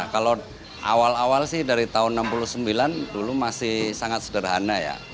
kalau awal awal sih dari tahun enam puluh sembilan dulu masih sangat sederhana ya